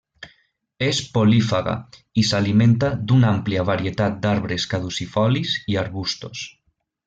És polífaga i s'alimenta d'una àmplia varietat d'arbres caducifolis i arbustos.